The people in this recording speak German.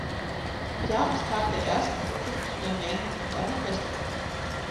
Jahrestag der ersten urkundlichen Erwähnung mit einer Festwoche.